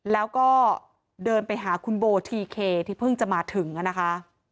แล้วก็เดินไปหาคุณโบทีเคที่เพิ่งจะมาถึงนะคะ